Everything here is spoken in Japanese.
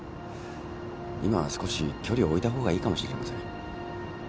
今は少し距離を置いた方がいいかもしれません。